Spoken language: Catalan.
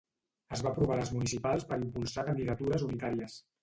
Es va provar a les municipals per impulsar candidatures unitàries.